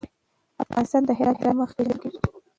افغانستان د هرات له مخې ښه پېژندل کېږي.